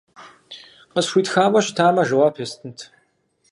Къысхуитхауэ щытамэ, жэуап естынт.